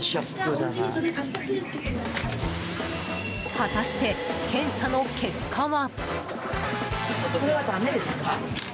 果たして、検査の結果は。